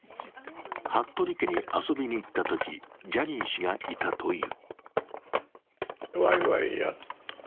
服部家に遊びに行ったとき、ジャニー氏がいたという。